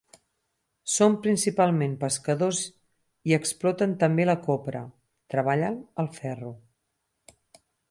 Són principalment pescadors i exploten també la copra; treballen el ferro.